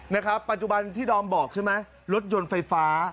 นะครับปัจจุบันที่ดอมบอกใช่ไหมรถยนต์ไฟฟ้า